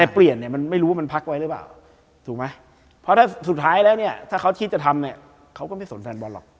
เพราะถ้าสุดท้ายแล้วเนี่ยถ้าเขาคิดจะทำเนี่ยเขาก็ไม่สนแฟนบอลหรอก